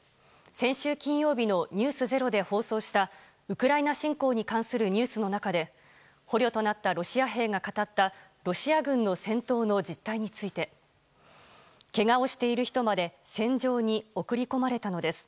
先週金曜日の「ｎｅｗｓｚｅｒｏ」で放送したウクライナ侵攻に関するニュースの中で捕虜となったロシア兵が語ったロシア軍の戦闘の実態について「けがをしている人まで戦場に送り込まれたのです」